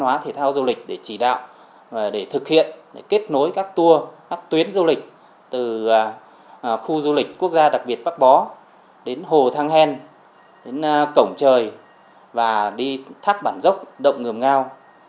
hóa thể thao du lịch để chỉ đạo và để thực hiện để kết nối các tour các tuyến du lịch từ khu du lịch quốc gia đặc biệt bắc bó đến hồ thang hen đến cổng trời và đi thác bản dốc động ngườm ngao